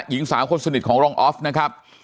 หญิงสาวคนสนิทของรองออฟนะครับ